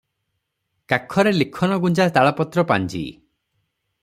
କାଖରେ ଲିଖନଗୁଞ୍ଜା ତାଳପତ୍ର-ପାଞ୍ଜି ।